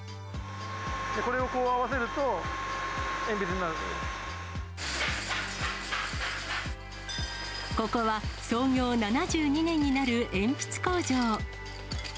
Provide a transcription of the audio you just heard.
これをこう合わせると、ここは、創業７２年になる鉛筆工場。